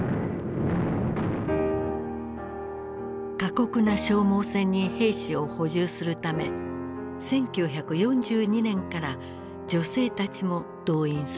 過酷な消耗戦に兵士を補充するため１９４２年から女性たちも動員された。